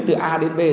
từ a đến b